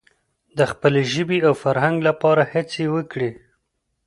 د خپلې ژبې او فرهنګ لپاره هڅې وکړي.